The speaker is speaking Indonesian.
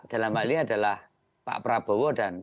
dalam hal ini adalah pak prabowo dan